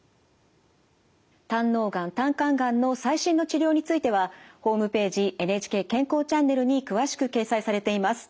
胆のうがん胆管がんの最新の治療についてはホームページ「ＮＨＫ健康チャンネル」に詳しく掲載されています。